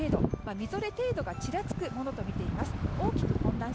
みぞれ程度がちらつくものとみています。